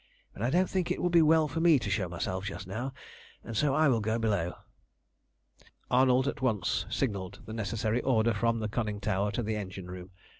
"But I don't think it would be well for me to show myself just now, and so I will go below." Arnold at once signalled the necessary order from the conning tower to the engine room.